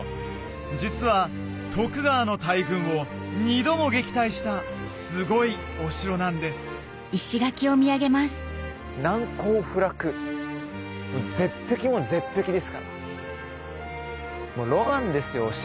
実は徳川の大軍を二度も撃退したすごいお城なんです絶壁も絶壁ですから。